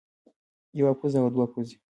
يوه پوزه او دوه پوزې